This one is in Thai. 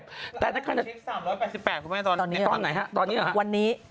กรุงเทพฯ๓๘๘ครับคุณแม่นตอนนี้หรือครับตอนนี้หรือครับตอนนี้